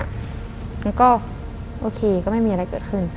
แล้วก็โอเคก็ไม่มีอะไรเกิดขึ้น